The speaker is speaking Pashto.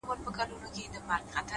خوني خنجر نه دى چي څوك يې پـټ كــړي ـ